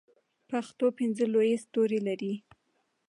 پښتو پنځه لوی ستوري لري.